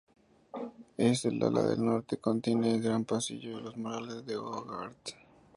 Es el ala del norte contiene el gran Pasillo y los murales de Hogarth.